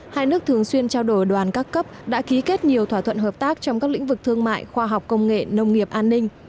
hai nước thường xuyên trao đổi đoàn các cấp đã ký kết nhiều thỏa thuận hợp tác trong các lĩnh vực thương mại khoa học công nghệ nông nghiệp an ninh